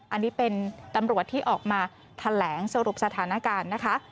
อันนี้เป็นตำรวจที่ออกมาแถลงสรุปสถานการณ์นะคะ